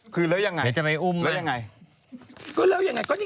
คือแล้วยังไง